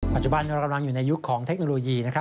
ปัจจุบันเรากำลังอยู่ในยุคของเทคโนโลยี